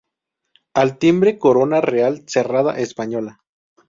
Al timbre corona real cerrada española".